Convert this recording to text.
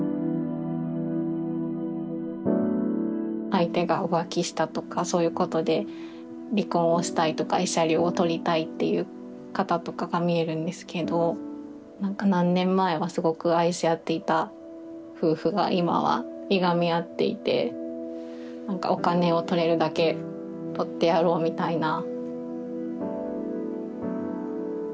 相手が浮気したとかそういうことで離婚をしたいとか慰謝料を取りたいっていう方とかがみえるんですけど何か何年前はすごく愛し合っていた夫婦が今はいがみ合っていて何かお金を取れるだけ取ってやろうみたいな。